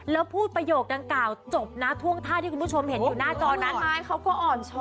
แล้วพูดประโยคดังกล่าวจบนะท่วงท่าที่คุณผู้ชมเห็นอยู่หน้าจอนั้นไม้เขาก็อ่อนช้อ